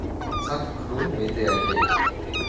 Cinq clones ont été agréés.